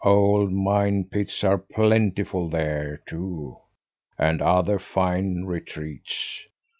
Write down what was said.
Old mine pits are plentiful there, too, and other fine retreats.